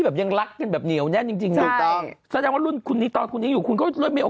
และรุ่นนี้ผันนะพี่ก้องพี่ท็อป